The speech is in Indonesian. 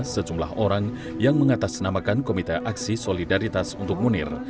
sejumlah orang yang mengatasnamakan komite aksi solidaritas untuk munir